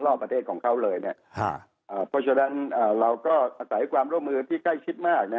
ประเทศของเขาเลยเนี่ยเพราะฉะนั้นเราก็อาศัยความร่วมมือที่ใกล้ชิดมากนะ